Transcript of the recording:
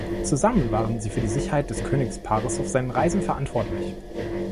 Zusammen waren sie für die Sicherheit des Königspaares auf seinen Reisen verantwortlich.